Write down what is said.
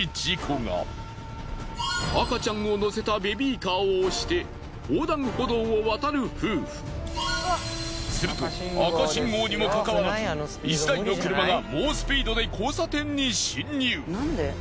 赤ちゃんを乗せたベビーカーを押してすると赤信号にもかかわらず１台の車が猛スピードで交差点に進入。